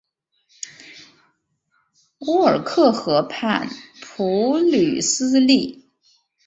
乌尔克河畔普吕斯利。